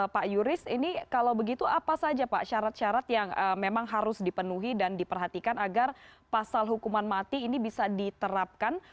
pak yuris ini kalau begitu apa saja pak syarat syarat yang memang harus dipenuhi dan diperhatikan agar pasal hukuman mati ini bisa diterapkan